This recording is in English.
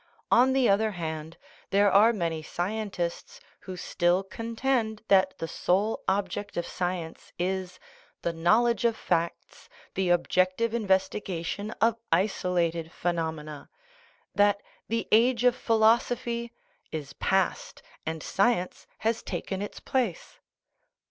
On the other hand, there are many 18 THE NATURE OF THE PROBLEM scientists who still contend that the sole object of sci ence is " the knowledge of facts, the objective investi gation of isolated phenomena "; that " the age of phi losophy " is past, and science has taken its place.